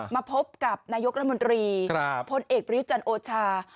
มาพบกับนายกรมดรีพ้นเอกบริยุจรรย์โอชา